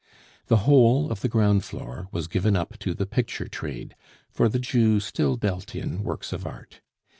The whole of the ground floor was given up to the picture trade (for the Jew still dealt in works of art).